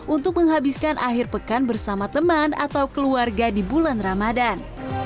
untuk menghabiskan akhir pekan bersama teman atau keluarga di bulan ramadan